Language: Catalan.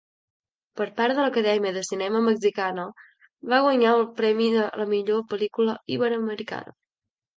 Per part de l'acadèmia de cinema mexicana va guanyar el premi a millor pel·lícula iberoamericana.